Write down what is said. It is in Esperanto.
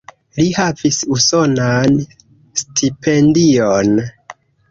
Li havis usonan stipendion.